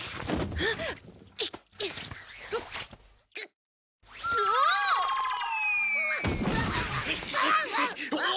あっ。